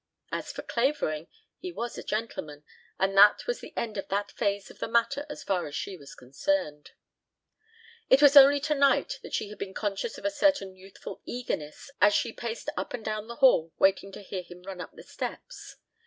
As for Clavering, he was a gentleman, and that was the end of that phase of the matter as far as she was concerned. It was only tonight that she had been conscious of a certain youthful eagerness as she paced up and down the hall waiting to hear him run up the steps.